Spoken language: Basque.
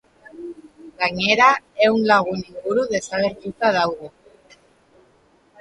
Gainera, ehun lagun inguru desagertuta daude.